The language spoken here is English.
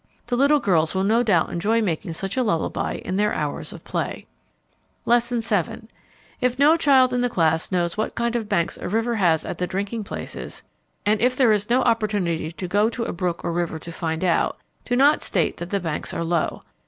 The little girls will no doubt enjoy making such a lullaby in their hours of play. Lesson VII. If no child in the class knows what kind of banks a river has at the drinking places, and if there is no opportunity to go to a brook or river to find out, do not state that the banks are low.